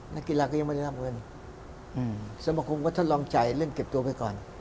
นักกีฬาก็ยังไม่ได้รับเงินสมคมก็ทดลองจ่ายเรื่องเก็บตัวไปก่อน